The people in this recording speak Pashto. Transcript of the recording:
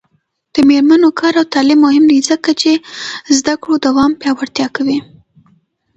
د میرمنو کار او تعلیم مهم دی ځکه چې زدکړو دوام پیاوړتیا کوي.